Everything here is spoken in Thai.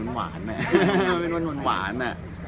เป็นวันวานวาน